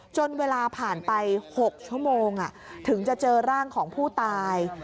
จนเวลาผ่านไป๖ชั่วโมงถึงจะเจอร่างของผู้ตาย